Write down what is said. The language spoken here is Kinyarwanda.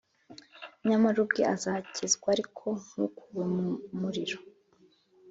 nyamara ubwe azakizwa, ariko nk'ukuwe mu muriro